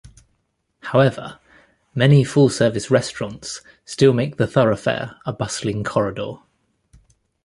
However, many full-service restaurants still make the thoroughfare a bustling corridor.